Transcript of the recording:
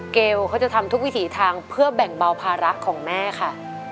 เกลเขาจะทำทุกวิถีทางเพื่อแบ่งเบาภาระของแม่ค่ะ